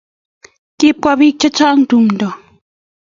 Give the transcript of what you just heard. Kopwa piik chechang' tumndo